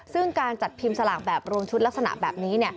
ซึ่งการจัดพิมพ์สลากแบบรวมชุดลักษณะแบบนี้